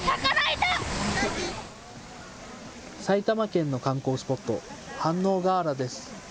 埼玉県の観光スポット、飯能河原です。